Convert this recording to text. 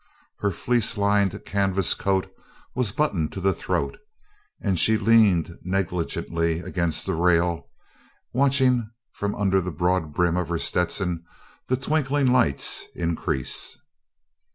Her fleece lined canvas coat was buttoned to the throat, and she leaned negligently against the rail, watching from under the broad brim of her Stetson the twinkling lights increase.